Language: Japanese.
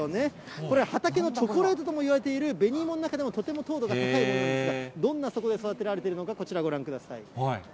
これ、畑のチョコレートともいわれている紅芋の中でもとても糖度が高いものなんですが、どんな所で育てられているのか、こちらご覧ください。